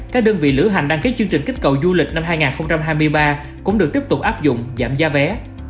các đơn vị lữ hành đăng ký chương trình kích cầu du lịch năm hai nghìn hai mươi ba cũng được tiếp tục áp dụng giảm giá vé